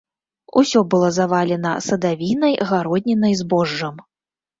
Усё было завалена садавінай, гароднінай, збожжам.